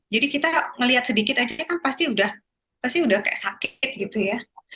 jadi kita melihat sedikit aja kan pasti udah kayak sakit gitu ya